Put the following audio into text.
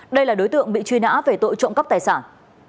đây là đối tượng bị truy nã về tội trộm cắp tài sản